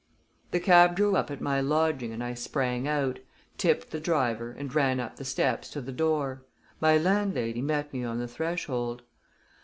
The cab drew up at my lodging and I sprang out, tipped the driver, and ran up the steps to the door. My landlady met me on the threshold.